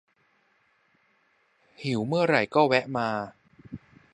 หิวเมื่อไหร่ก็แวะมา